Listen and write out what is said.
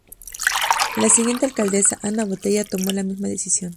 La siguiente alcaldesa, Ana Botella, tomó la misma decisión.